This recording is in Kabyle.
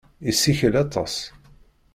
Yessikel aṭas.